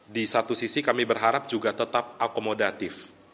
di satu sisi kami berharap juga tetap akomodatif